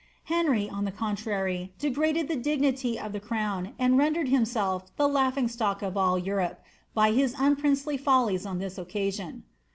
Henry, on the contrary, degraded the dignity of the crown, and rendered himself the laughing stock of all Europe, by his unprincely follies on this occasion.